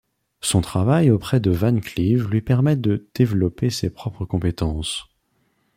Son travail auprès de Van Cleave lui permet de développer ses propres compétences.